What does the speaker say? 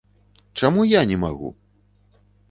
Чаму я не магу?